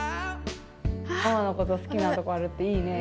ママの好きなとこあるっていいね！